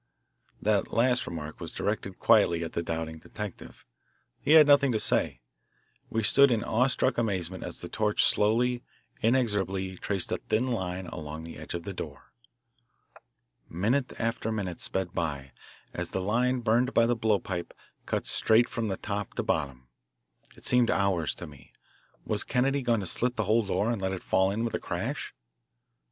The last remark was directed quietly at the doubting detective. He had nothing to say. We stood in awe struck amazement as the torch slowly, inexorably, traced a thin line along the edge of the door. Minute after minute sped by, as the line burned by the blowpipe cut straight from top to bottom. It seemed hours to me. Was Kennedy going to slit the whole door and let it fall in with a crash?